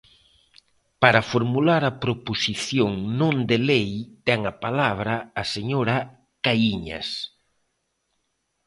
Para formular a proposición non de lei ten a palabra a señora Caíñas.